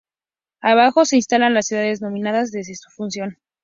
Abajo se listan las ciudades nominadas desde su fundación.